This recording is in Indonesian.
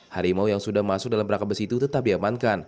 harimau yang sudah masuk dalam perangkap besi itu tetap diamankan